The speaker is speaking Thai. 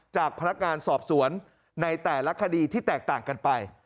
จากพนักงานสอบสวนในแต่ละคดีที่แตกต่างกันไป